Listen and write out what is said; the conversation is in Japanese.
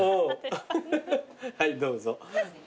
はいどうぞ。